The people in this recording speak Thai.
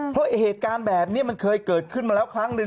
เพราะเหตุการณ์แบบนี้มันเคยเกิดขึ้นมาแล้วครั้งหนึ่ง